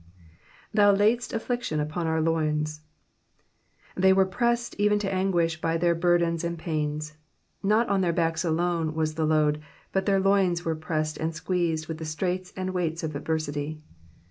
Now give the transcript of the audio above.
TA<m laidst affliction upon our loins,^^ They were pressed even to anguish by their burdens and pains. Not on their backs alone was the load, but their loins were nressed and squeezed with the straits and weights of adversity.